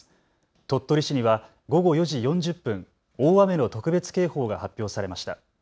鳥取市には午後４時４０分、大雨の特別警報が発表されました。